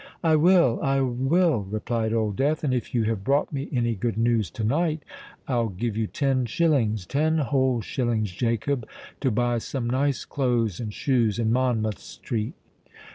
"I will—I will," replied Old Death. "And if you have brought me any good news to night, I'll give you ten shillings—ten whole shillings, Jacob—to buy some nice clothes and shoes in Monmouth Street."